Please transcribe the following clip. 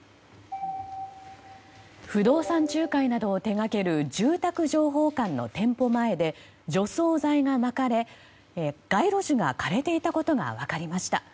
不動産仲介などを手掛ける住宅情報館の店舗前で除草剤がまかれ街路樹が枯れていたことが分かりました。